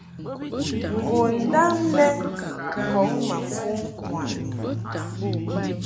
Ngondam lɛ kɔŋ ma fuŋ ŋwaʼni.